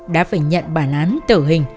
đã phải nhận bản án tử hình